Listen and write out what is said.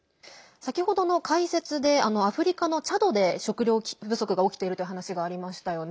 先ほどの解説でアフリカのチャドで食糧不足が起きているという話がありましたよね。